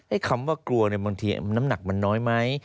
คำว่ากลัวเนี่ยบางทีน้ำหนักมันน้อยไหม